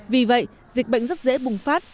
vì vậy dịch bệnh rất dễ bùng phát